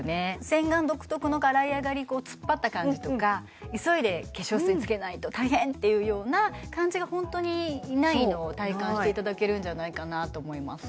洗顔独特の洗い上がり突っ張った感じとか急いで化粧水つけないと大変っていうような感じが本当にないのを体感していただけるんじゃないかなと思います